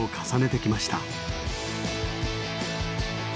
着きました。